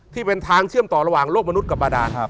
ที่เป็นทางเชื่อมต่อระหว่างโลกมนุษย์กับบาดาน